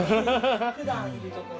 普段いるところ。